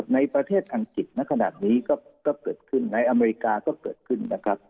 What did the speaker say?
ในประเทศอังกฤษณะขนาดนี้ก็เกิดขึ้นในอเมริกาก็เกิดขึ้นนะครับ